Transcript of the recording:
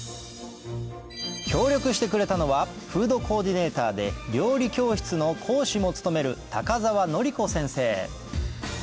協力してくれたのはフードコーディネーターで料理教室の講師も務める高沢紀子先生